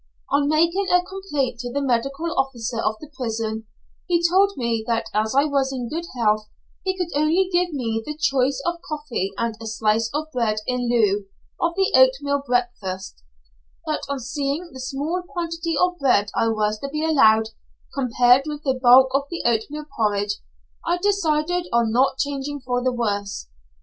On making a complaint to the medical officer of the prison, he told me that as I was in good health he could only give me the choice of coffee and a slice of bread in lieu of the oatmeal breakfast; but on seeing the small quantity of bread I was to be allowed, compared with the bulk of the oatmeal porridge, I decided on not changing for the worse.